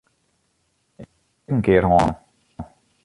Ik ha dat ek in kear hân.